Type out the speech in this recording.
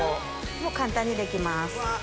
もう簡単に出来ます。